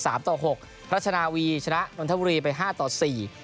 พระราชนาวีชนะนวันธวรีไป๕๔